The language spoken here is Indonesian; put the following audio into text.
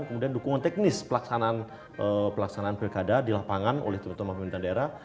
kemudian dukungan teknis pelaksanaan pilkada di lapangan oleh teman teman pemerintahan daerah